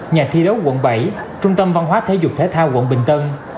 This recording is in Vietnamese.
nhà thi đấu quận bảy trung tâm văn hóa thể dục thể thao quận bình tân